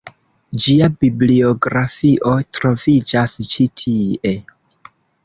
Ĝia bibliografio troviĝas ĉi tie.